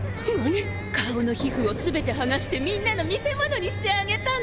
顔の皮膚を全て剥がしてみんなの見せ物にしてあげたの。